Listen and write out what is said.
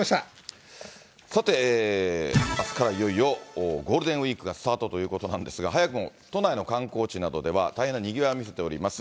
さて、あすからいよいよゴールデンウィークがスタートということなんですが、早くも都内の観光地などでは大変なにぎわいを見せております。